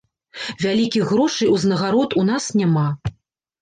Вялікіх грошай, узнагарод у нас няма.